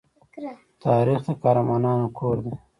تاریخ د قهرمانانو کور دی.